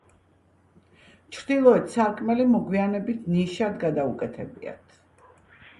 ჩრდილოეთ სარკმელი მოგვიანებით ნიშად გადაუკეთებიათ.